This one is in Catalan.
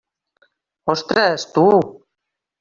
Ostres, tu!